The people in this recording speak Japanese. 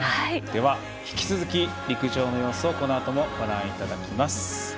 引き続き陸上の様子をこのあともご覧いただきます。